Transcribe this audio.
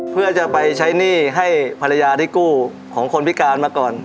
เพื่อจะไปใช้หนี้ให้ภรรยาที่กู้ของคนพิการมาก่อน